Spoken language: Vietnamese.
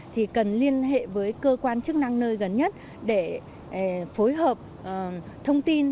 thì cần liên hệ với cơ quan chức năng nơi gần nhất để phối hợp thông tin